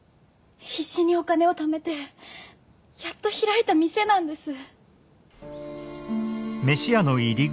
必死にお金をためてやっと開いた店なんです。